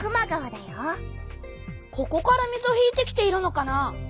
ここから水を引いてきているのかな？